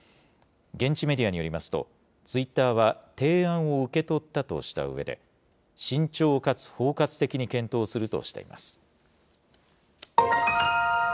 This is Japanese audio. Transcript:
現地メディアによりますと、ツイッターは提案を受け取ったとしたうえで、慎重かつ包括的に検討するとしています。